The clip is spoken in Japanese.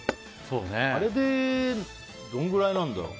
あれで、どんぐらいなんだろう。